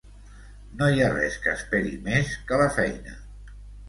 No hi ha res que esperi més que la feina.